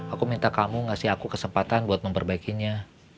aku minta kamu ngasih aku kesempatan buat memperbaikinya